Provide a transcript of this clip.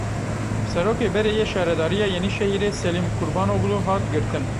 Serokê berê yê Şaredariya Yenîşehîrê Selim Kurbanoglu hat girtin.